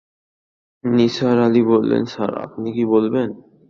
নিসার আলি বললেন, স্যার, আপনি কি কিছু বলবেন?